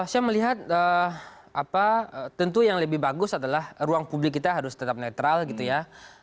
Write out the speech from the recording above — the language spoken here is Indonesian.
saya melihat tentu yang lebih bagus adalah ruang publik kita harus tetap netral gitu ya